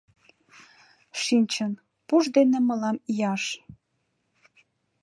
Шинчын, пуш дене мылам ияш.